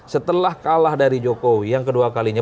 setelah kalah dari jokowi yang kedua kalinya